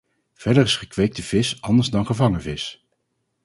Verder is gekweekte vis anders dan gevangen vis.